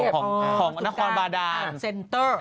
เป็นเมืองของนครบาดาของเซนเตอร์